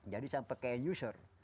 jadi sampai ke end user